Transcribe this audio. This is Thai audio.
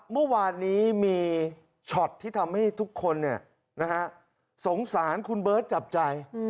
เมื่อวานนี้มีช็อตที่ทำให้ทุกคนสงสารคุณเบิร์ตจับใจ